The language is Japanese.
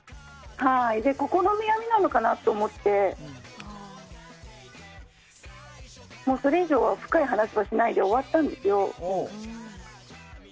心の闇なのかなって思ってそれ以上は深い話をしないで終わったんですよ。